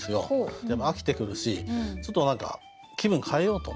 でも飽きてくるしちょっと何か気分変えようと思ってね